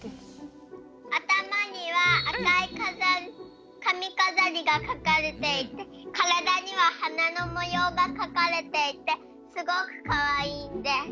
あたまにはあかいかみかざりがかかれていてからだにははなのもようがかかれていてすごくかわいいんです。